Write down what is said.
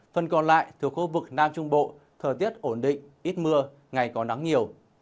phần còn lại từ khu vực nam trung bộ thời tiết ổn định ít mưa ngày có nắng nhiều